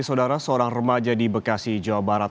saudara seorang remaja di bekasi jawa barat